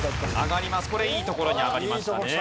これいいところに上がりましたね。